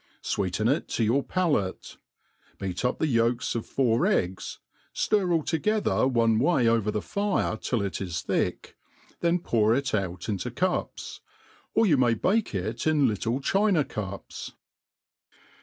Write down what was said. Sweeten it to your palate ; beat up the ydks of four eggs, ftir all together one way over the fire till it is thick, then pcur it out into cups. Or you may bake it in litle china cups.